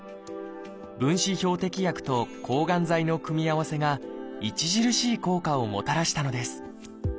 分子標的薬と抗がん剤の組み合わせが著しい効果をもたらしたのです。